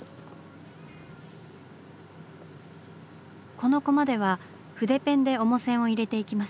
このコマでは筆ペンで主線を入れていきます。